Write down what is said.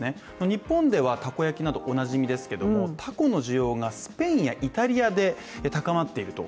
日本ではたこ焼きなど、おなじみですがたこの需要がスペインやイタリアで高まっていると。